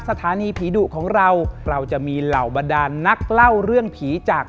สถานีผีดุของเราเราจะมีเหล่าบรรดานนักเล่าเรื่องผีจาก